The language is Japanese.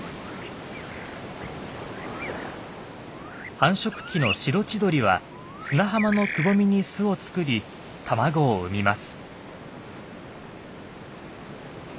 繁殖期のシロチドリは砂浜のくぼみに巣を作り卵を産みます。